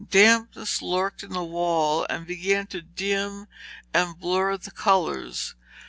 Dampness lurked in the wall and began to dim and blur the colours.